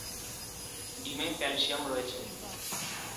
ডিমে ক্যালসিয়াম রয়েছে।